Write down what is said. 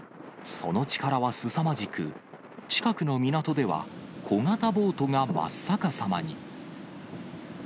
その力はすさまじく、近くの港では、小型ボートが真っ逆さまに。